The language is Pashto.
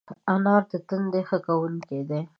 انار د تندي ښه کوونکی دی.